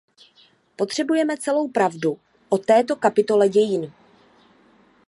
Potřebujeme celou pravdu o této kapitole dějin.